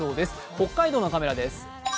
北海道のカメラです。